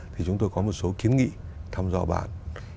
thì chúng tôi có một số kiến nghị thăm dò bạn